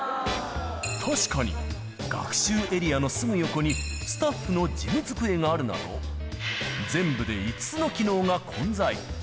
確かに、学習エリアのすぐ横に、スタッフの事務机があるなど、全部で５つの機能が混在。